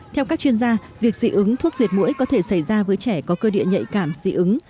theo các chuyên gia việc dị ứng thuốc diệt mũi có thể xảy ra với trẻ có cơ địa nhạy cảm dị ứng